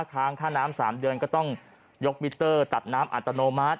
ค้างค่าน้ำ๓เดือนก็ต้องยกมิเตอร์ตัดน้ำอัตโนมัติ